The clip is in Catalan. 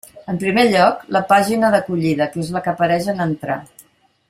En primer lloc, la pàgina d'acollida, que és la que apareix en entrar.